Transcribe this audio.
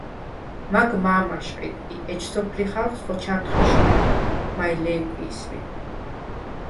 მაგ მა̄ მაშყიდ ი ეჯ სოფლი ხალხს ხოჩამდ ხეშყდიხ, მაჲ ლე̄ქვი̄ს ლი.